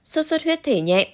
suốt suốt huyết thể nhẹ